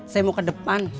saya mau ke depan